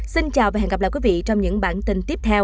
xin chào và hẹn gặp lại quý vị trong những bản tin tiếp theo